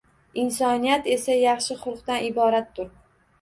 Insoniyat esa yaxshi xulqdan iboratdur